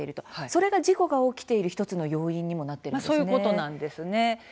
それが事故の起きている１つの要因にもなっているんですね。